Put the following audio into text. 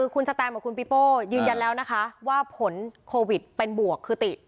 คุณสแตมกับคุณปีโป้ยืนยันแล้วนะคะว่าผลโควิดเป็นบวกคือติ